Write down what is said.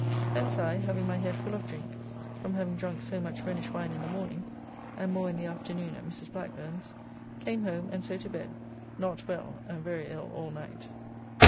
Thence I, having my head full of drink from having drunk so much Rhenish wine in the morning, and more in the afternoon at Mrs. Blackburne's, came home and so to bed, not well, and very ill all night.